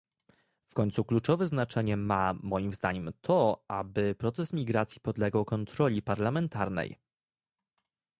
W końcu kluczowe znaczenie ma, moim zdaniem to, aby proces migracji podlegał kontroli parlamentarnej